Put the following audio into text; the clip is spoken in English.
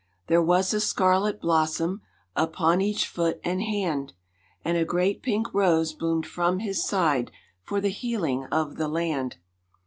There was a scarlet blossom upon each foot and hand, And a great pink rose bloomed from His side for the healing of the land.